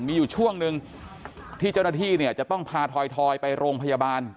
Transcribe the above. มีอยู่ช่วงหนึ่งที่เจ้าหน้าที่เนี่ยจะต้องพาทอยไปโรงพยาบาล